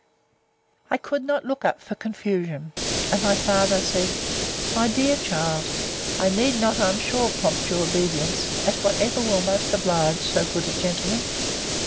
I could not look up for confusion. And my father said, My dear child, I need not, I am sure, prompt your obedience in whatever will most oblige so good a gentleman.